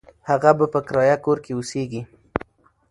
هغه به په کرایه کور کې اوسیږي.